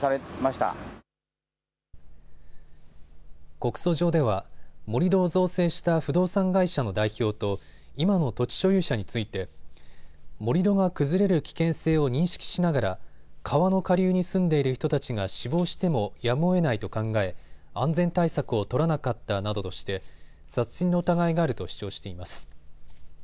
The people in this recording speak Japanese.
告訴状では盛り土を造成した不動産会社の代表と今の土地所有者について盛り土が崩れる危険性を認識しながら川の下流に住んでいる人たちが死亡してもやむをえないと考え、安全対策を取らなかったなどとして殺人の疑いがあると主張しています。